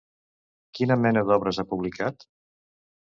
Quina mena d'obres ha publicat?